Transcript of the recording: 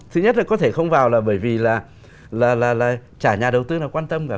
thứ nhất là có thể không vào là bởi vì là trả nhà đầu tư nào quan tâm cả